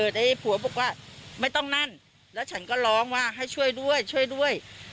แต่ผัวบอกว่าไม่ต้องนั่นแล้วฉันก็ร้องว่าให้ช่วยด้วยช่วยด้วย